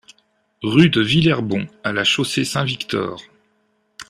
Rue de Villerbon à La Chaussée-Saint-Victor